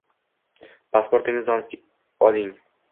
«Pasportingizni olib oling